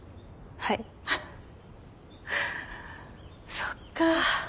そっか。